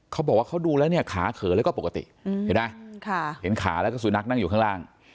เขาบอกว่าเขาดูแล้วเนี่ยขาเขินแล้วก็ปกติเห็นไหมเห็นขาแล้วก็สุนัขนั่งอยู่ข้างล่าง